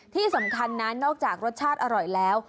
ที่สำคัญนะนอกจากรสชาติอร่อยแล้ว